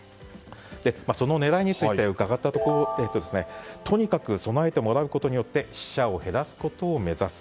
その狙いについて伺ったところとにかく備えてもらうことで死者を減らすことを目指す。